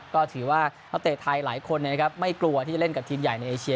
ก็ถือว่านักเตะไทยหลายคนนะครับไม่กลัวที่จะเล่นกับทีมใหญ่ในเอเชีย